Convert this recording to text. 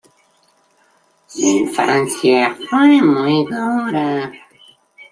Su infancia fue muy dura.